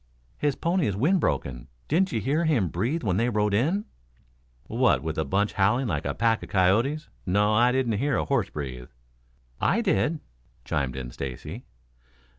"His pony is wind broken. Didn't you hear him breathe when they rode in?" "What, with the bunch howling like a pack of coyotes? No, I didn't hear a horse breathe." "I did," chimed in Stacy.